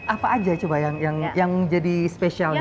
apa aja coba yang jadi spesialnya